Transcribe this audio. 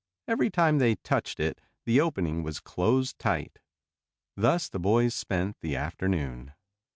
Every time they touched it the opening was closed tight. Thus the boys spent the afternoon.